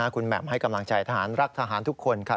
คุณแหม่มให้กำลังใจทหารรักทหารทุกคนค่ะ